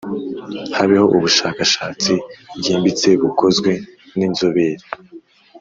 habeho ubushakashatsi bwimbitse bukozwe n inzobere